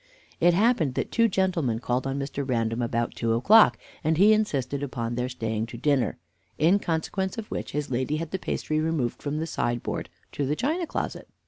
It happened that two gentlemen called on Mr. Random about two o'clock, and he insisted upon their staying to dinner; in consequence of which his lady had the pastry removed from the side board to the china closet.